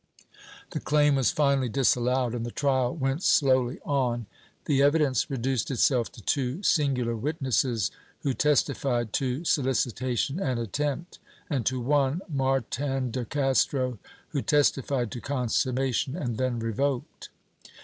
The claim was finally disallowed and the trial went slowly on. The evidence reduced itself to two "singular" wit nesses, who testified to solicitation and attempt, and to one, Martin de Castro, who testified to consummation and then revoked.